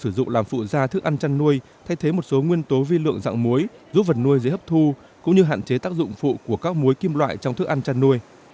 sử dụng làm phụ da thức ăn chăn nuôi thay thế một số nguyên tố vi lượng dạng muối giúp vật nuôi dễ hấp thu cũng như hạn chế tác dụng phụ của các muối kim loại trong thức ăn chăn nuôi